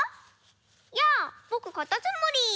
やあぼくかたつむり！